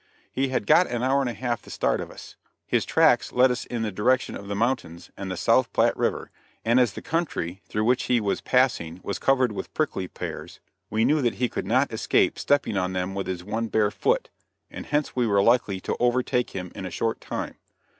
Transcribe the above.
He had got an hour and a half the start of us. His tracks led us in the direction of the mountains and the South Platte River, and as the country through which he was passing was covered with prickly pears, we knew that he could not escape stepping on them with his one bare foot, and hence we were likely to overtake him in a short time.